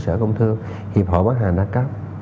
sở công thương hiệp hội bán hàng đa cấp